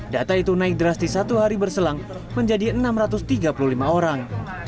data itu naik drastis satu hari berselang menjadi enam ratus tiga puluh lima orang